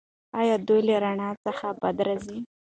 ایا دوی له رڼایي څخه بدې راځي؟